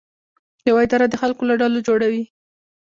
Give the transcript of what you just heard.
یوه اداره د خلکو له ډلو جوړه وي.